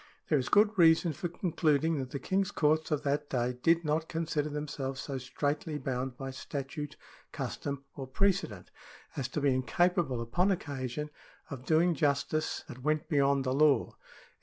There is good reason for concluding that the King's courts of that day did not consider themselves so straitly bound by statute, custom, or precedent, as to be incapable upon occasion of doing justice ^ Nic.